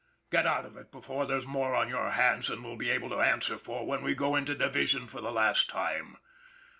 Get out of it before there's more on our hands than we'll be able to answer for when we go into Division for the last time.